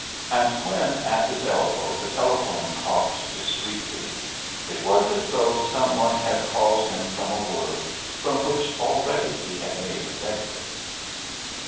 And when at his elbow the telephone coughed discreetly, it was as though some one had called him from a world from which already he had made his exit.